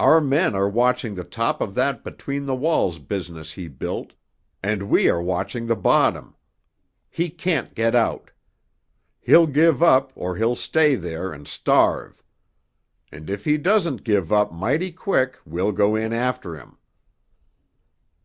"Our men are watching the top of that between the walls business he built, and we are watching the bottom. He can't get out. He'll give up or he'll stay there and starve. And if he doesn't give up mighty quick we'll go in after him."